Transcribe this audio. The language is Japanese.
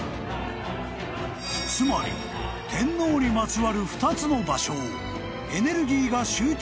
［つまり天皇にまつわる２つの場所を］